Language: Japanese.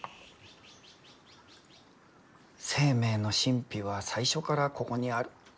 生命の神秘は最初からここにある。